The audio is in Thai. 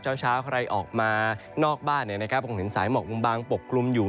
เจ้าเช้าใครออกมานอกบ้านผลงศีลสายหมกบ้างปกกรุมอยู่